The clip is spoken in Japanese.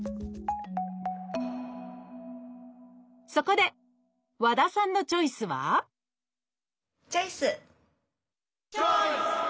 そこで和田さんのチョイスはチョイス！